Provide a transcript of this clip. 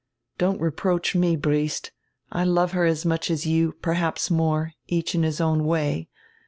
"Don't reproach me, Briest I love her as much as you, perhaps more; each in his own way.